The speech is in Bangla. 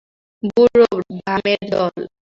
বুড়ো ভামের দল।